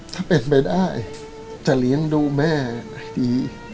ถ้าเป็นไปได้จะเลี้ยงดูแม่ให้ดี